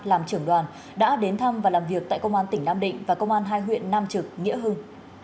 làm trưởng đoàn đã đến thăm và làm việc tại công an tỉnh nam định và công an hai huyện nam trực nghĩa hưng